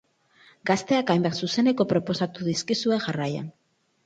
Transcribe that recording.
Gazteak hainbat zuzeneko proposatuko dizkizue jarraian.